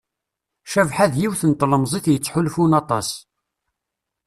Cabḥa d yiwet n tlemẓit yettḥulfun aṭas.